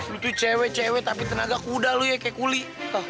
lo tuh cewek cewek tapi tenaga kuda lo ya kayak kuli